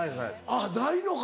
あっないのか。